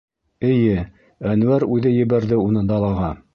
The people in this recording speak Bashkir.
Эйе, Әнүәр үҙе ебәрҙе уны далаға.